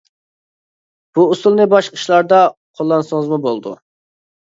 بۇ ئۇسۇلنى باشقا ئىشلاردا قوللانسىڭىزمۇ بولىدۇ.